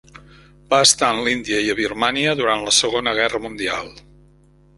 Va estar en l'Índia i a Birmània durant la Segona Guerra Mundial.